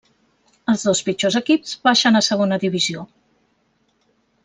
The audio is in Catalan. Els dos pitjors equips baixen a Segona Divisió.